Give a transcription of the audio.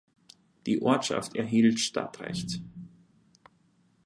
Die Ortschaft erhielt Stadtrecht.